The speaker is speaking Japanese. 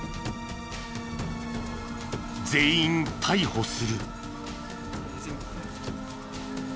全員逮捕する。